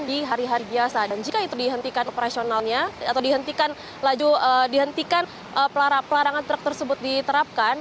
jadi hari hari biasa dan jika itu dihentikan operasionalnya atau dihentikan pelarangan truk tersebut diterapkan